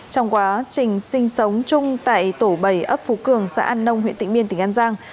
trong quá trình sinh sống chung tại tổ bảy ấp phú cường xã an nông huyện tịnh biên tỉnh an giang